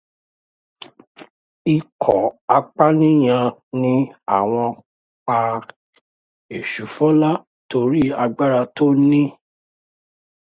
Ikọ̀ apaniyàn ní àwọn pa Èṣùfọlá torí agbára tó ní.